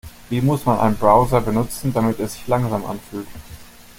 Wie muss man einen Browser benutzen, damit er sich langsam anfühlt?